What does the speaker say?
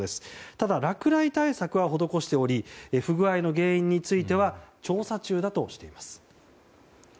ただ、落雷対策は施しており不具合の原因については調査中だとしています。